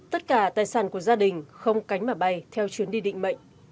tất cả tài sản của gia đình không cánh mà bay theo chuyến đi định mệnh